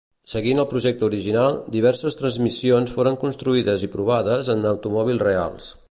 Seguint el projecte original, diverses transmissions foren construïdes i provades en automòbils reals.